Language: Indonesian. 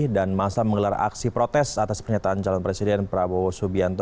dan masa mengelar aksi protes atas pernyataan calon presiden prabowo subianto